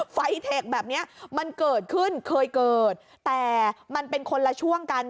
เทคแบบนี้มันเกิดขึ้นเคยเกิดแต่มันเป็นคนละช่วงกัน